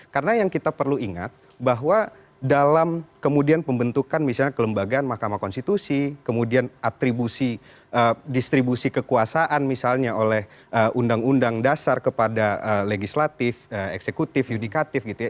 karena yang kita perlu ingat bahwa dalam kemudian pembentukan misalnya kelembagaan mahkamah konstitusi kemudian atribusi distribusi kekuasaan misalnya oleh undang undang dasar kepada legislatif eksekutif yudikatif gitu ya